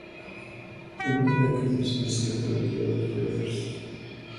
In either case, instability occurs.